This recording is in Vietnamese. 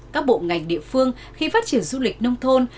các bộ ngành địa phương khi phát triển du lịch nông thôn